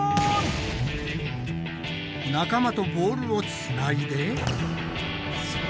仲間とボールをつないで。